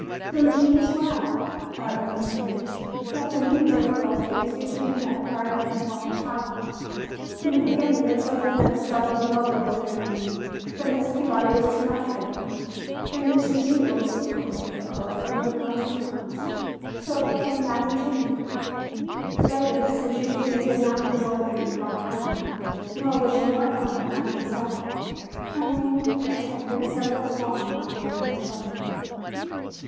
"Then Gene is well?" Barbara continued. For after many difficulties Eugenia had acquired this informal title. In the beginning the children had struggled nobly with her name, but Miss Peabody was too much for them. Then "Miss Eugenia" was equally difficult for little Belgian tongues, so it became Madame Gene. Later, since Eugenia did not enjoy being called Madame, nor was she more fond of Mademoiselle, her name attained its simplest form among the younger children.